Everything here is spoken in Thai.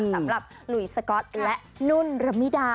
สำหรับหลุยสก๊อตและนุ่นรัมมิดา